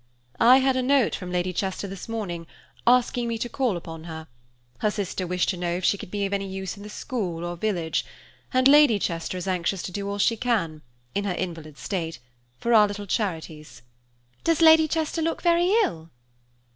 "I had a note from Lady Chester this morning, asking me to call upon her. Her sister wished to know if she could be of any use in the school or village, and Lady Chester is anxious to do all she can, in her invalid state, for our little charities." "Does Lady Chester look very ill?